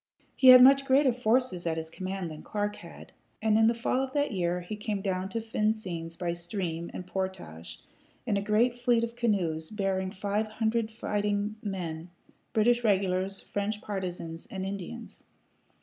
He had much greater forces at his command than Clark had; and in the fall of that year he came down to Vincennes by stream and portage, in a great fleet of canoes bearing five hundred fighting men British regulars, French partizans, and Indians.